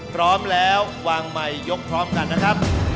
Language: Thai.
พร้อมแล้ววางไมค์ยกพร้อมกันนะครับ